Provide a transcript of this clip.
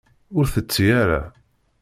Ur tetti ara.